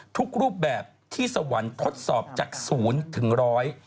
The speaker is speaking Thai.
รูปแบบที่สวรรค์ทดสอบจากศูนย์ถึงร้อย